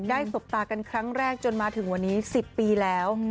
สบตากันครั้งแรกจนมาถึงวันนี้๑๐ปีแล้ว